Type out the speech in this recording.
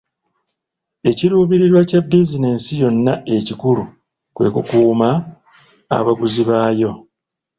Ekiruubirirwa kya bizinensi yonna ekikulu kwe kukuuma abaguzi baayo.